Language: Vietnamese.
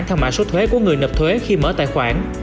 theo mạng số thuế của người nập thuế khi mở tài khoản